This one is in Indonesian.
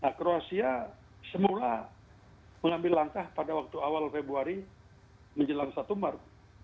nah kroasia semula mengambil langkah pada waktu awal februari menjelang satu maret